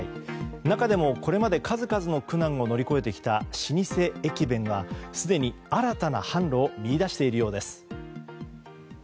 中でもこれまで数々の苦難を乗り越えてきた老舗駅弁はすでに、新たな販路を見いだしているようです。